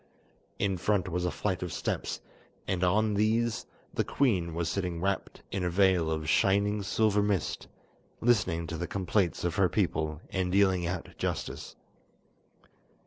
In front was a flight of steps, and on these the queen was sitting wrapped in a veil of shining silver mist, listening to the complaints of her people and dealing out justice.